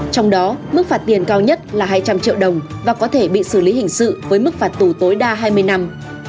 trong đó mức phạt tiền cao nhất là hai trăm linh triệu đồng và có thể bị xử lý hình sự với mức phạt tù tối đa hai mươi năm